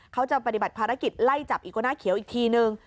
เขาจะปฏิบัติภารกิจไล่จับอีกโกน่าเขียวอีกทีนึง